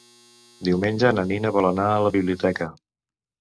Diumenge na Nina vol anar a la biblioteca.